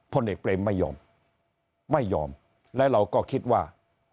พลเอกเปรมไม่ยอมไม่ยอมและเราก็คิดว่า